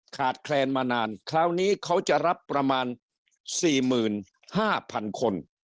ขาดแคลนมานานคราวนี้เขาจะรับประมาณสี่หมื่นห้าพันคน